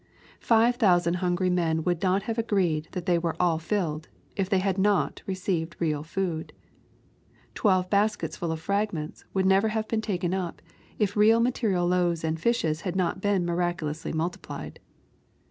Five thousand hungry men would not have agreed that they were "all filled/' if they had not received real food. "Twelve baskets full of fragments" would never have been taken up, if real material loaves and fiishes had not been miraculously multiplied.